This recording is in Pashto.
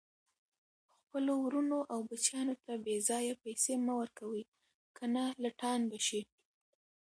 خپلو ورونو او بچیانو ته بیځایه پیسي مه ورکوئ، کنه لټان به شي